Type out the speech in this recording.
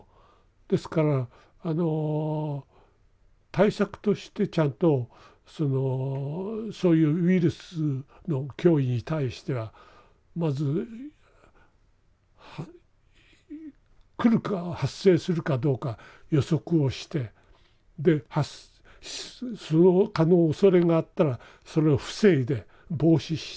ですからあの対策としてちゃんとそういうウイルスの脅威に対してはまず来るか発生するかどうか予測をしてでそのおそれがあったらそれを防いで防止して。